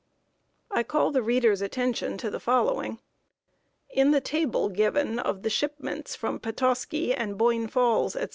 I call the reader's attention to the following: In the table given of the shipments from Petoskey and Boyne Falls, etc.